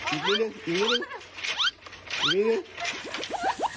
อีกนิดหนึ่งอีกนิดหนึ่ง